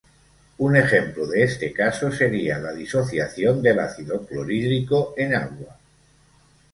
Un ejemplo de este caso sería la disociación del ácido clorhídrico en agua.